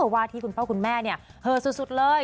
ว่าที่คุณพ่อคุณแม่เนี่ยเหอสุดเลย